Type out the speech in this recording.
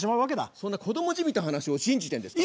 そんな子供じみた話を信じてんですか？